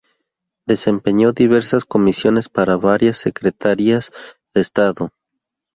Desempeñó diversas comisiones para varias secretarías de estado.